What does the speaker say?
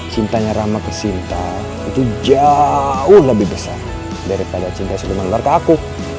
cintanya rama kesinta itu jauh lebih besar daripada cinta senuman ular ke aku